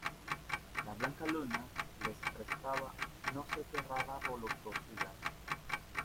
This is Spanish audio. la blanca luna les prestaba no sé qué rara voluptuosidad.